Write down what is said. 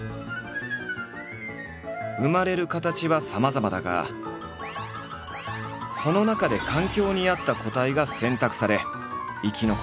生まれる形はさまざまだがその中で環境に合った個体が選択され生き残る。